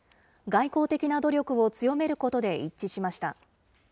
外交的な努力を強めることで一致しました。